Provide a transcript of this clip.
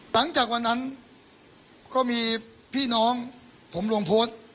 หลังจากวันนั้นก็มีพี่น้องผมลงโพสต์